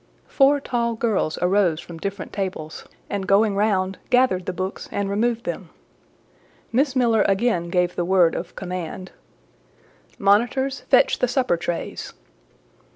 Four tall girls arose from different tables, and going round, gathered the books and removed them. Miss Miller again gave the word of command— "Monitors, fetch the supper trays!"